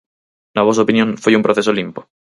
Na vosa opinión foi un proceso limpo?